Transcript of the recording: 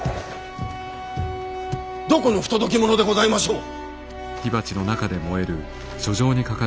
どこの不届き者でございましょう？